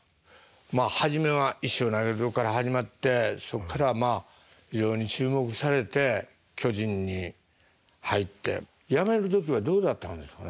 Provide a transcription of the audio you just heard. まあ初めは石を投げるとこから始まってそっからまあ非常に注目されて巨人に入って辞める時はどうだったんですかね。